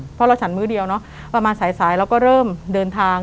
เพราะเราฉันมื้อเดียวเนอะประมาณสายสายเราก็เริ่มเดินทาง